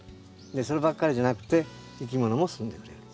そればっかりじゃなくていきものもすんでくれる。